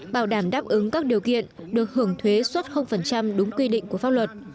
bảo đảm đáp ứng các điều kiện được hưởng thuế xuất đúng quy định của pháp luật